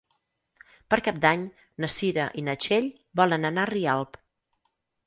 Per Cap d'Any na Cira i na Txell volen anar a Rialp.